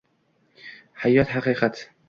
«Hayotiy haqiqat»